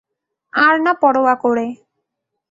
আর না পরোয়া করে।